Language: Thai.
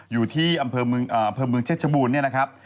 อยู่ที่อำเภอเมืองเพชรบูรณเนี่ยนะครับ